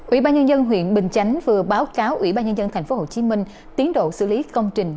ủy ban nhân dân huyện bình chánh vừa báo cáo ủy ban nhân dân tp hcm tiến độ xử lý công trình